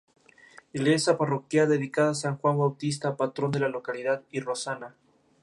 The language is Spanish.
Iglesia parroquial dedicada a San Juan Bautista, patrón de la localidad, y Rosana.